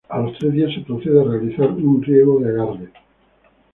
A los tres días se procede a realizar un riego de agarre.